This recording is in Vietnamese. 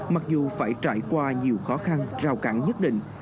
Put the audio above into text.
mặc dù phải trải qua nhiều khó khăn rào cản nhất định